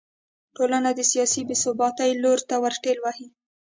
ټولنه د سیاسي بې ثباتۍ لور ته ور ټېل وهي.